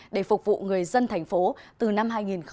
để phục vụ người dân thành phố từ năm hai nghìn một mươi chín